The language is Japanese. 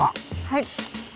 はい。